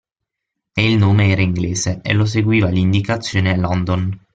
E il nome era inglese e lo seguiva l'indicazione: London.